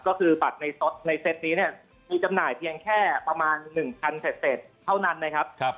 ก็คือบัตรในเซตนี้เนี่ยมีจำหน่ายเพียงแค่ประมาณ๑๐๐เศษเท่านั้นนะครับ